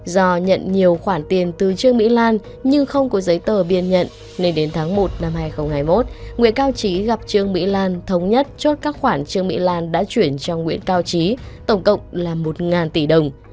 do nhận nhiều khoản tiền từ trương mỹ lan nhưng không có giấy tờ biên nhận nên đến tháng một năm hai nghìn hai mươi một nguyễn cao trí gặp trương mỹ lan thống nhất chốt các khoản trương mỹ lan đã chuyển cho nguyễn cao trí tổng cộng là một tỷ đồng